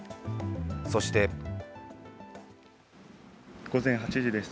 そして午前８時です。